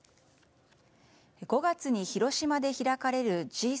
５月に広島で開かれるＧ７